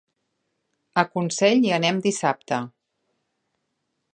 A Consell hi anem dissabte.